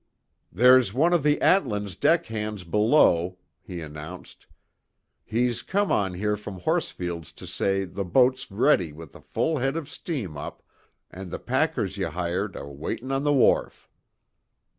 "There's one of the Atlin's deck hands below," he announced. "He's come on here from Horsfield's to say the boat's ready with a full head of steam up, and the packers ye hired are waiting on the wharf."